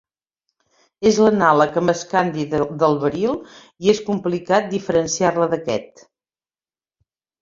És l'anàleg amb escandi del beril, i és complicat diferenciar-la d'aquest.